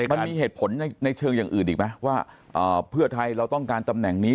มันมีเหตุผลในเชิงอย่างอื่นอีกไหมว่าเพื่อไทยเราต้องการตำแหน่งนี้